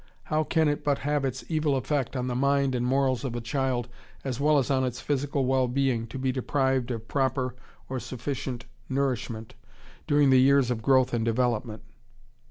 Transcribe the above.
How can it but have its evil effect on the mind and morals of a child as well as on its physical well being to be deprived of proper or sufficient nourishment during the years of growth and development?